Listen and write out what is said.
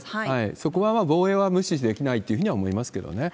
そこはまあ、防衛は無視できないというふうには思いますけどね。